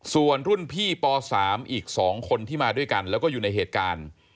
ส่วนรุ่นพี่ป๓อีก๒คนที่มาด้วยกันแล้วก็อยู่ในเหตุการณ์